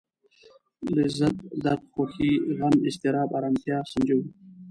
لذت درد خوښي غم اضطراب ارامتيا سنجوو.